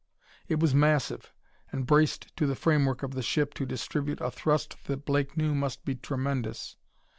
It was massive, and braced to the framework of the ship to distribute a thrust that Blake knew must be tremendous.